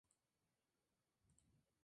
Atsushi Shirai